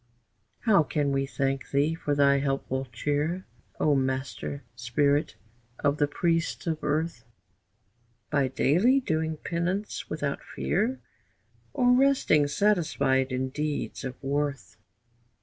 How can we thank thee for thy helpful cheer, O master spirit of the priests of earth? By daily doing penance without fear, Or resting satisfied in deeds of worth?